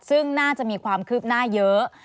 ซึ่งน่าจะมีความคืบหน้าเยอะ